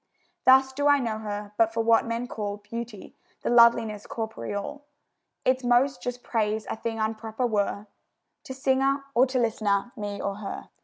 Thus do I know her: but for what men call Beauty the loveliness corporeal, Its most just praise a thing unproper were To singer or to listener, me or her.